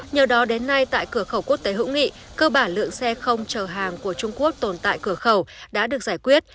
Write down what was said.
nhờ đó đến nay tại cửa khẩu quốc tế hữu nghị cơ bản lượng xe không chờ hàng của trung quốc tồn tại cửa khẩu đã được giải quyết